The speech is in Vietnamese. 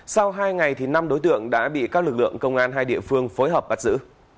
sau hai ngày năm đối tượng đã bị các lực lượng công an hai địa phương phối hợp bắt giữ